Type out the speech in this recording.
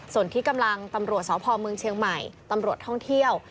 ส่วนที่กำลังตำรวจสพเมืองเชียงใหม่ตำรวจท่องเที่ยว